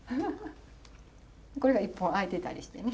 これが１本空いてたりしてね。